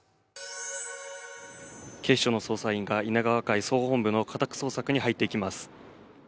警視庁の捜査員が稲川会総本部の家宅捜索に入っていきます。